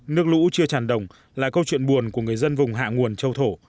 nước lũ chưa tràn đồng là câu chuyện buồn của người dân vùng hạ nguồn châu thổ